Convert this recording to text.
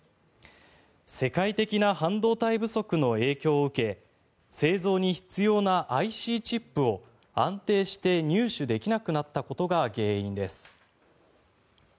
世界的な半導体不足の影響を受け製造に必要なＩＣチップを安定して入手できなくなったことが原因です。